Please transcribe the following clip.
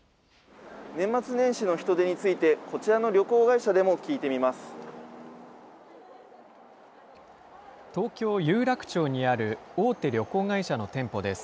年末年始の人出について、こちらの旅行会社でも聞いてみます。